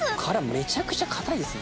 めちゃくちゃ堅いですね。